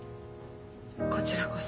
こちらこそ。